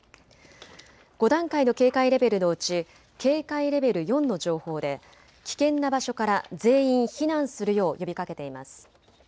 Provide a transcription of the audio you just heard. ５段階の警戒レベルのうち警戒レベル４の情報で危険な場所から全員避難するよう呼びかけています。